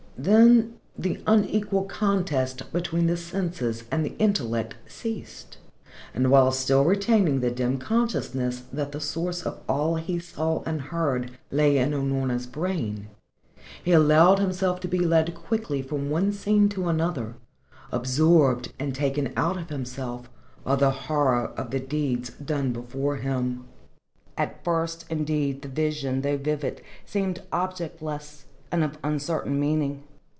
Then the unequal contest between the senses and the intellect ceased, and while still retaining the dim consciousness that the source of all he saw and heard lay in Unorna's brain, he allowed himself to be led quickly from one scene to another, absorbed and taken out of himself by the horror of the deeds done before him. At first, indeed, the vision, though vivid, seemed objectless and of uncertain meaning.